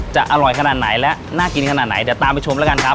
จะอร่อยขนาดไหนและน่ากินขนาดไหนเดี๋ยวตามไปชมแล้วกันครับ